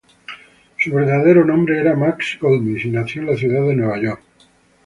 Su verdadero nombre era Max Goldsmith y nació en la ciudad de Nueva York.